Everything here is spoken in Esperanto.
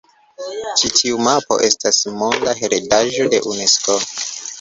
Ĉi tiu mapo estas Monda Heredaĵo de Unesko.